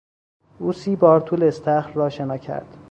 او سی بار طول استخر را شنا کرد.